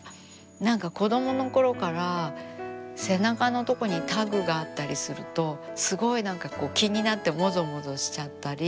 何か子どものころから背中のとこにタグがあったりするとすごい何かこう気になってもぞもぞしちゃったり。